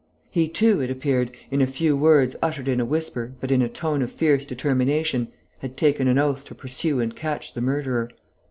He, too, it appeared, in a few words uttered in a whisper, but in a tone of fierce determination, had taken an oath to pursue and catch the murderer.